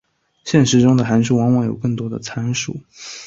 现实中的函数往往有更多的参数。